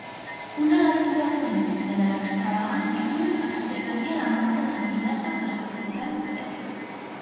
Una lectura fonètica de l'extravagant títol explicaria la manca d'entusiasme que suscità l'obsequi.